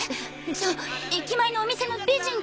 じゃあ駅前のお店の美人って。